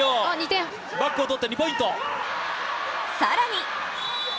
更に！